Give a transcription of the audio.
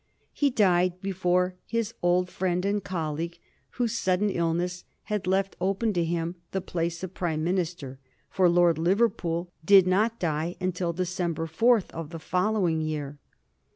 He died before his old friend and colleague whose sudden illness had left open to him the place of Prime Minister, for Lord Liverpool did not die until December 4 of the following year.